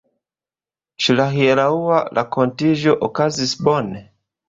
Ĉu la hieraŭa renkontiĝo okazis bone?